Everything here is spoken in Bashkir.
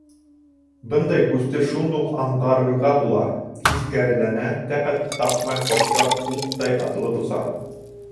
Бындай күсте шундуҡ аңғарырға була: тиҫкәреләнә, тәҡәт тапмай, ҡорттар уҡтай атылып оса.